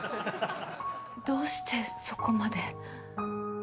どうしてそこまで。